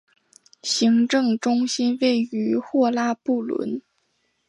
行政中心位于霍拉布伦。